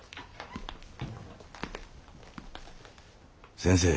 先生。